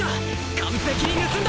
完璧に盗んだ！